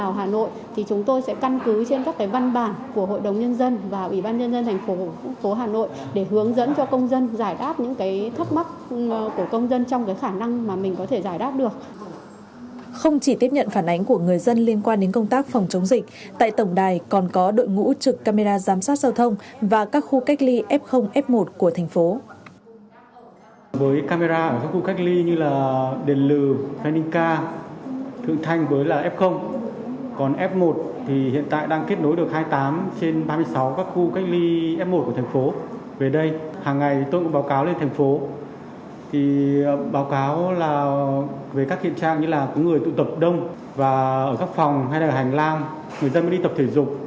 nhánh bốn kết nối đến trung tâm kiểm soát bệnh tật hà nội nhánh bốn kết nối đến trung tâm kiểm soát bệnh tật hà nội nhánh bốn kết nối đến trung tâm kiểm soát bệnh tật hà nội nhánh bốn kết nối đến trung tâm kiểm soát bệnh tật hà nội nhánh bốn kết nối đến trung tâm kiểm soát bệnh tật hà nội nhánh bốn kết nối đến trung tâm kiểm soát bệnh tật hà nội nhánh bốn kết nối đến trung tâm kiểm soát bệnh tật hà nội nhánh bốn kết nối đến trung tâm kiểm soát bệnh tật hà nội nhánh bốn kết nối đến trung tâm kiểm soát bệnh tật h